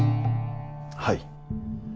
はい。